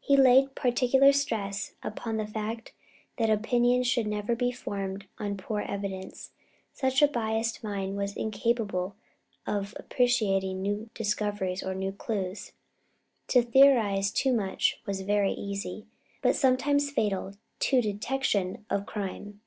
He laid particular stress upon the fact that opinions should never be formed on poor evidence, since a biased mind was incapable of appreciating new discoveries or new clues. To theorize too much was very easy, but sometimes fatal to detection of crime.